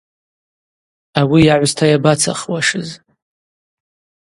Ауи йагӏвста йабацахуашыз.